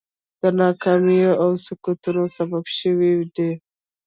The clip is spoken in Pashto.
د ناکامیو او سقوطونو سبب شوي دي.